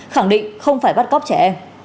khẳng định không phải bắt cóc trẻ